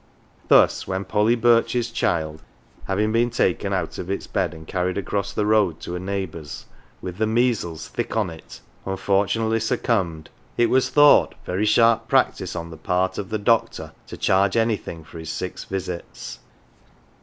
Thus, when Polly Birch's child, having been taken out of its bed and carried across the road to a neighbour's, with the measles " thick on it," unfortunately succumbed, it was thought very sharp practice on the part of Dr. 224 HERE AND THERE to charge anything for his six visits.